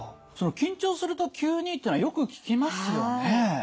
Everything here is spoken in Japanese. その緊張すると急にっていうのはよく聞きますよね。